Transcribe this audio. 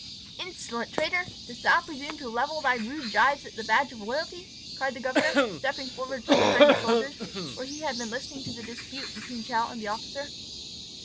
"Insolent traitor! dost thou presume to level thy rude gibes at the badge of royalty?" cried the governor, stepping forward from behind the soldiers, where he had been listening to the dispute between Tell and the officer.